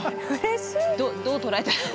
どどう捉えたら。